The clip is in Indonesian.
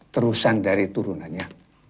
terusan dari turunannya